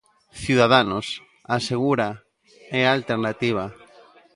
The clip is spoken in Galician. Ciudadanos, asegura, é a alternativa.